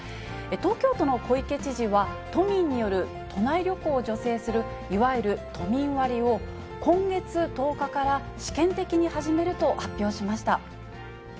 東京都の小池知事は、都民による都内旅行を助成する、いわゆる都民割を今月１０日から試験的に始めると発表しました。